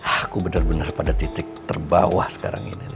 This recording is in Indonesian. aku bener bener pada titik terbawah sekarang ini